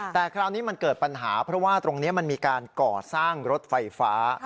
แต่คราวนี้มันเกิดปัญหาเพราะว่าตรงนี้มันมีการก่อสร้างรถไฟฟ้า